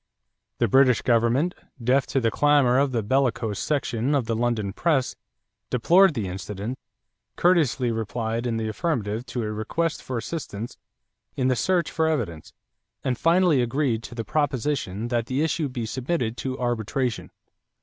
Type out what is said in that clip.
The British government, deaf to the clamor of the bellicose section of the London press, deplored the incident, courteously replied in the affirmative to a request for assistance in the search for evidence, and finally agreed to the proposition that the issue be submitted to arbitration.